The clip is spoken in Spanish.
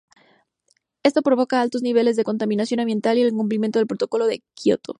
Esto provoca altos niveles de contaminación ambiental y el incumplimiento del protocolo de Kyoto.